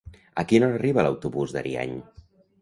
A quina hora arriba l'autobús d'Ariany?